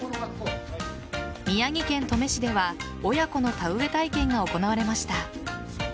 宮城県登米市では親子の田植え体験が行われました。